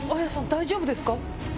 大丈夫ですか？